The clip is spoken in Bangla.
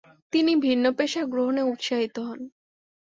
তিনি ভিন্ন পেশা গ্রহণে উৎসাহিত হন।